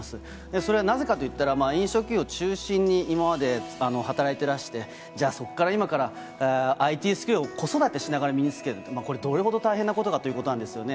それはなぜかといったら、飲食業を中心に今まで働いてらして、じゃあ、そこから今から、ＩＴスキルを子育てしながら身につける、これ、どれほど大変なことかということなんですよね。